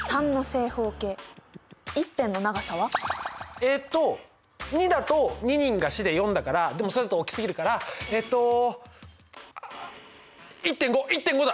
えっと２だと２２が４で４だからでもそれだと大きすぎるからえっとあっ１．５！１．５だ！